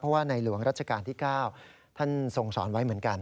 ว่าในหลวงรัชกาลที่๙ท่านทรงสอนไว้เหมือนกัน